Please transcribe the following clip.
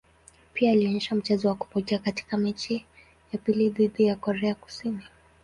Pia alionyesha mchezo wa kuvutia katika mechi ya pili dhidi ya Korea Kusini.